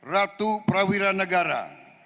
ratu prawira negara